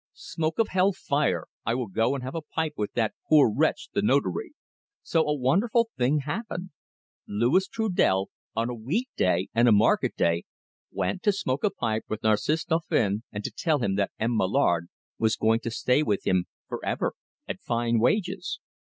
Smoke of hell fire, I will go and have a pipe with that, poor wretch the Notary!" So, a wonderful thing happened. Louis Trudel, on a week day and a market day, went to smoke a pipe with Narcisse Dauphin, and to tell him that M. Mallard was going to stay with him for ever, at fine wages.